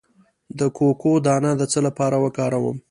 د کوکو دانه د څه لپاره وکاروم؟